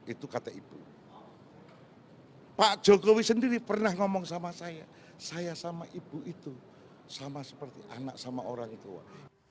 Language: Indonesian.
itu kata ibu pak jokowi sendiri pernah ngomong sama saya saya sama ibu itu sama seperti anak sama orang tua